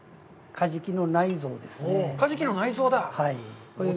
カジキの内臓だ。